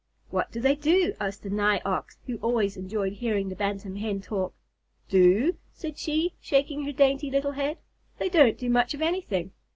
"What do they do?" asked the Nigh Ox, who always enjoyed hearing the Bantam Hen talk. "Do?" said she, shaking her dainty little head. "They don't do much of anything.